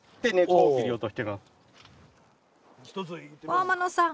天野さん